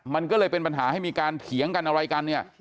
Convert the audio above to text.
มันก็เลยเป็นปัญหาให้มีการเถียงกันอะไรกันเนี่ย